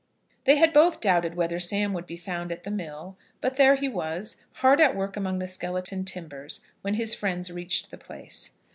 They had both doubted whether Sam would be found at the mill; but there he was, hard at work among the skeleton timbers, when his friends reached the place.